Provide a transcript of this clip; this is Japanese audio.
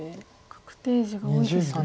確定地が多いですね。